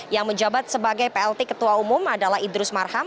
yang menjabat sebagai plt ketua umum adalah idrus marham